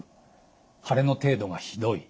腫れの程度がひどい。